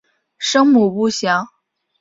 生母不详。